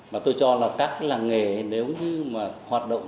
và tôi cho là các làng nghề nếu như mà hoạt động